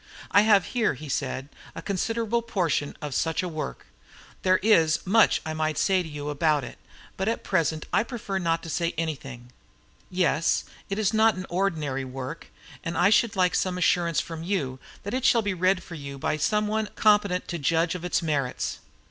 "I have here," he said, "a considerable portion of such a work. There is much that I might say to you about it, but at present I prefer not to say anything. Yes, it is not ordinary work, and I should like some assurance from you that it shall be read for you by some one competent to judge of its merits."